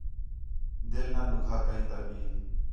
دِِل نہ ݙُکھا کئیں تا بھی